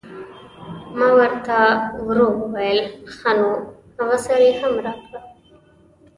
ما ور ته ورو وویل: ښه نو هغه سر یې هم راکړه.